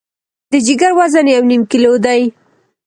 د جګر وزن یو نیم کیلو دی.